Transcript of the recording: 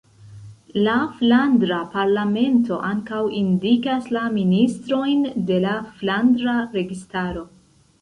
La Flandra Parlamento ankaŭ indikas la ministrojn de la flandra registaro.